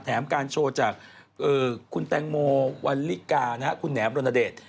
แถมการโชว์จากคุณแตงโมวันลิกาคุณแหมรณเดช